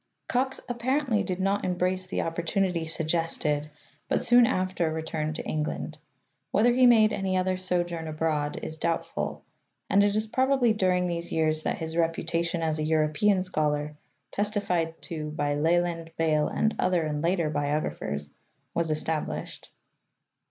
Cox apparently did not embrace the opportunity suggested, but soon after returned to England. Whether he made any other sojourn abroad is doubtful, and it is probably during X s earn ([^ggg years that his reputation as a European scholar, ing : Leland's J v v ' Encomium testified to by Leland, Bale, and other and later biographers,'' was established.